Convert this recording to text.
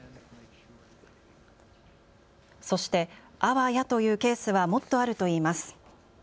そして、あわやというケースはもっとあるといいます。